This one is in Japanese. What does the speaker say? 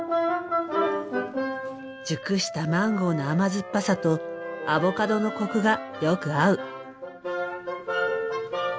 熟したマンゴーの甘酸っぱさとアボカドのコクがよく合う。